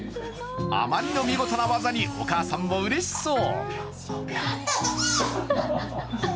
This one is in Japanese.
あまりの見事な技に、お母さんもうれしそう。